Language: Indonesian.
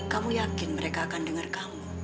kamu yakin mereka akan dengerinmu